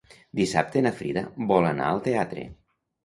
Dissabte na Frida vol anar al teatre.